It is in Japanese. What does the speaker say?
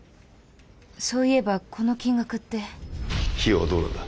そういえばこの金額って費用はどうなんだ